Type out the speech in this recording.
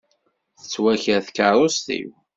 Tettwaker tkeṛṛust-iw.